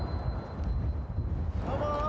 どうも。